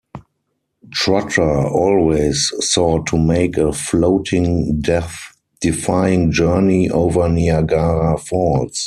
Trotter always sought to make a floating death-defying journey over Niagara Falls.